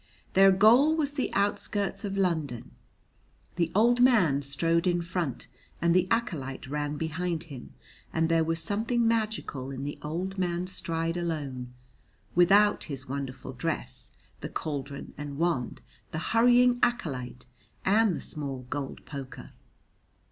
Their goal was the outskirts of London; the old man strode in front and the acolyte ran behind him, and there was something magical in the old man's stride alone, without his wonderful dress, the cauldron and wand, the hurrying acolyte and the small gold poker.